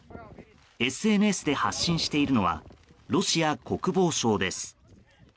ＳＮＳで発信しているのはロシア国防省です。